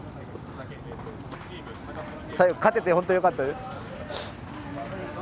最後、勝てて本当によかったです。